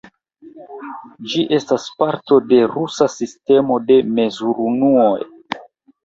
Ĝi estas parto de rusa sistemo de mezurunuoj.